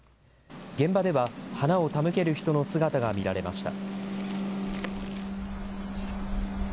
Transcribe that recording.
現場では花を手向ける人の姿が見られました。